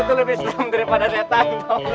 mukamu tuh lebih serem daripada setan tau gak